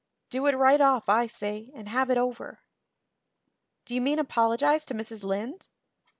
Do it right off, I say, and have it over." "Do you mean apologize to Mrs. Lynde?"